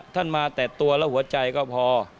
ท่านมาแต่ตัวแล้วหัวใจก็พอ